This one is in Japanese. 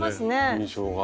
印象が。